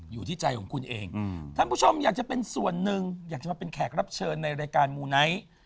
อยู่ที่ใจของคุณเองท่านผู้ชมอยากจะเป็นส่วนหนึ่งอยากจะมาเป็นแขกรับเชิญในรายการมูไนท์